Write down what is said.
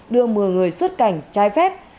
đưa một mươi người xuất cảnh trai phép